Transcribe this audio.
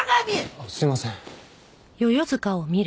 あっすいません。